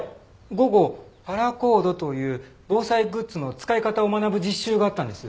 午後パラコードという防災グッズの使い方を学ぶ実習があったんです。